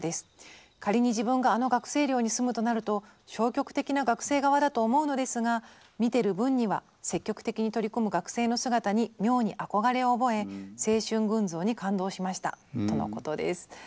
仮に自分があの学生寮に住むとなると消極的な学生側だと思うのですが見てる分には積極的に取り組む学生の姿に妙に憧れを覚え青春群像に感動しました」とのことです。